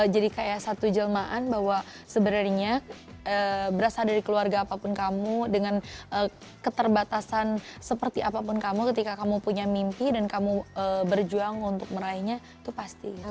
jadi kayak satu jelmaan bahwa sebenarnya berasal dari keluarga apapun kamu dengan keterbatasan seperti apapun kamu ketika kamu punya mimpi dan kamu berjuang untuk meraihnya itu pasti